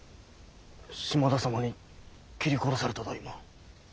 島田様に斬り殺されただ今。